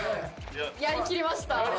やりきりました。